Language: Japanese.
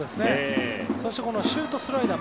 そしてシュート、スライダー